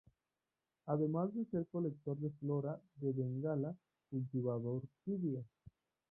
Además de ser colector de la flora de Bengala, cultivaba orquídeas.